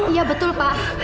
iya betul pak